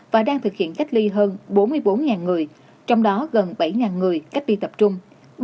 và đang thực hiện cách ly hơn bốn mươi bốn người trong đó gần bảy người cách ly tập trung